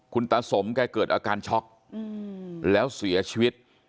คุณตาสมแกเกิดอาการช็อกแล้วเสียชีวิต